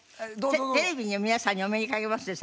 テレビの皆さんにお目にかけますね最初に。